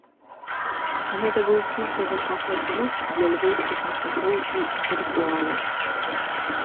Гэта быў культавы кафэ-клуб для львоўскіх мастакоў і інтэлектуалаў.